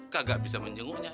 kagak bisa menjenguknya